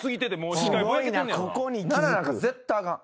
７なんか絶対あかん。